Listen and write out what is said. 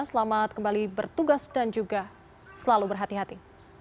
selamat kembali bertugas dan juga selalu berhati hati